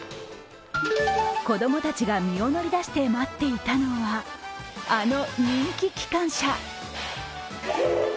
子供たちが身を乗り出して待っていたのは、あの人気機関車。